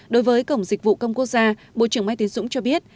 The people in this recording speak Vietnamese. đối với cổng dịch vụ công quốc gia bộ trưởng mai tiến dũng cho biết